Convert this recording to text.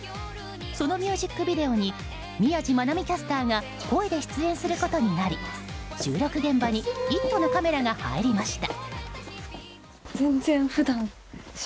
そのミュージックビデオに宮司愛海キャスターが声で出演することになり収録現場に「イット！」のカメラが入りました。